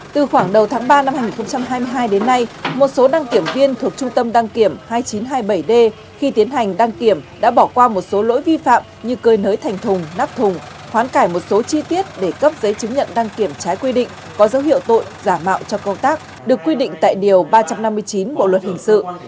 từ khoảng đầu tháng ba năm hai nghìn hai mươi hai đến nay một số đăng kiểm viên thuộc trung tâm đăng kiểm hai nghìn chín trăm hai mươi bảy d khi tiến hành đăng kiểm đã bỏ qua một số lỗi vi phạm như cơi nới thành thùng nắp thùng khoán cải một số chi tiết để cấp giấy chứng nhận đăng kiểm trái quy định có dấu hiệu tội giả mạo cho công tác được quy định tại điều ba trăm năm mươi chín bộ luật hình sự